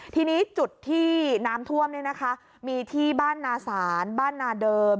ทีนี้จุดที่น้ำท่วมมีที่บ้านนาศาลบ้านนาเดิม